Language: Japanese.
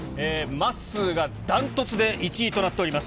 まっすーが断トツで１位となっております。